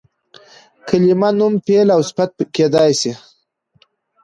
کلیمه نوم، فعل او صفت کېدای سي.